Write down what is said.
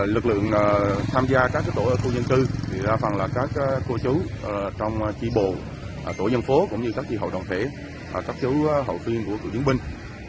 lực lượng tham gia các tổ ở khu dân cư thì ra phần là các cô chú trong chi bồ tổ dân phố cũng như các chi hậu đoàn thể các chú hậu phiên của cựu diễn binh